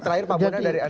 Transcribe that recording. terakhir pak bona dari anda